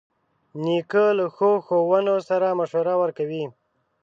نیکه له ښو ښوونو سره مشوره ورکوي.